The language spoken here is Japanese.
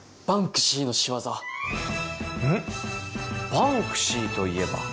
バンクシーといえば。